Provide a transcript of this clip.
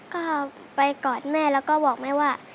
ก็ไปกอดแม่แล้วก็บอกแม่ว่า